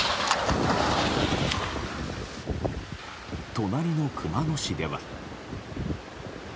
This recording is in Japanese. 隣の熊野市では。